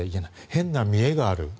変な見えがある。